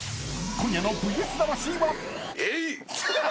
［今夜の『ＶＳ魂』は］